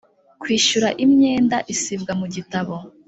Kwishyura imyenda isibwa mu gitabo